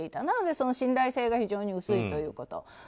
なので信頼性が非常に薄いということ。